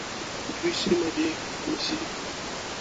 دوی سیمه دي ونیسي.